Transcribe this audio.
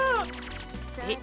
えっ？